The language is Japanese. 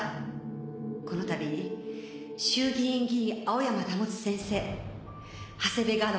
このたび衆議院議員青山保先生長谷部画廊